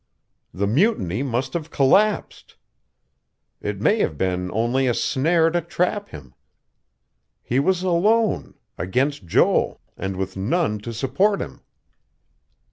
The mutiny must have collapsed.... It may have been only a snare to trap him.... He was alone against Joel, and with none to support him....